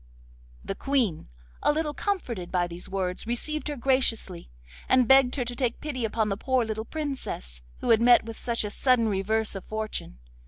The Queen, a little comforted by these words, received her graciously, and begged her to take pity upon the poor little Princess, who had met with such a sudden reverse of fortune.